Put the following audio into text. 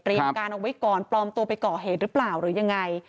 การเอาไว้ก่อนปลอมตัวไปก่อเหตุหรือเปล่าหรือยังไง